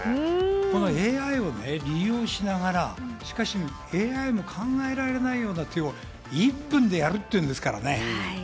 ＡＩを利用しながら、しかしＡＩも考えられないような手を１分でやるっていうんですからね。